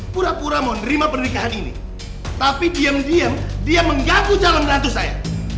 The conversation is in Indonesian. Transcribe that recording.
pura pura mau nerima pernikahan ini tapi diam diam dia menggabung calon menantu saya